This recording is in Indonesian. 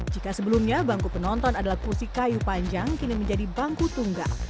jika sebelumnya bangku penonton adalah kursi kayu panjang kini menjadi bangku tunggal